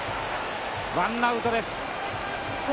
ワンアウトです。